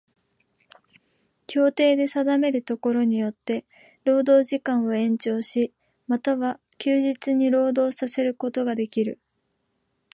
協定で定めるところによつて労働時間を延長し、又は休日に労働させることができる。